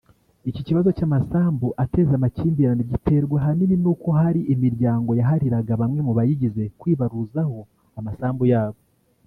Iki kibazo cy’amasambu ateza amakimbirane giterwa ahanini nuko hari imiryango yahariraga bamwe mu bayigize kwibaruzaho amasambu yabo